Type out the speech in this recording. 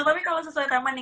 tapi kalau sesuai taman nih